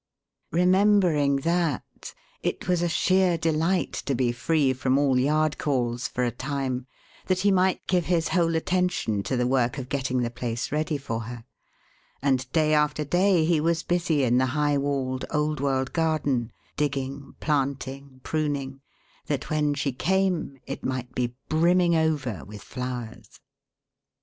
Remembering that, it was a sheer delight to be free from all Yard calls for a time that he might give his whole attention to the work of getting the place ready for her; and day after day he was busy in the high walled old world garden digging, planting, pruning that when she came it might be brimming over with flowers.